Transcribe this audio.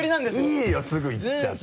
いいよすぐいっちゃって。